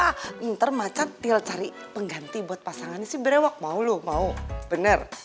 kau minter macet deal cari pengganti buat pasangannya sih berewak mau lu mau bener